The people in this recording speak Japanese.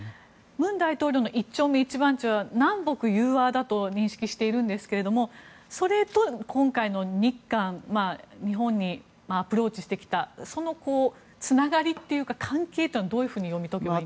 文大統領の一丁目一番地は南北融和だと認識しているんですがそれと、今回、日本に首脳会談をアプローチしてきたのはそのつながりというか関係というのはどう読み解けばいいですか。